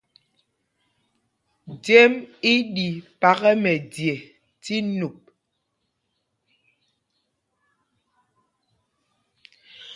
Jem í ɗi paka mɛje tí nup.